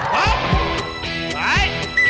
เชิญพี่กรค่ะ